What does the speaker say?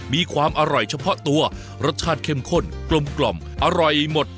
มีความอร่อยเฉพาะตัวรสชาติเข้มข้นกลมอร่อยหมด